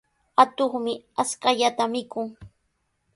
Atuqmi ashkallata mikun.